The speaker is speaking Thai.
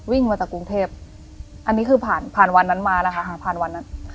วิ่งมาจากกรุงเทพอันนี้คือผ่านผ่านวันนั้นมานะคะผ่านวันนั้น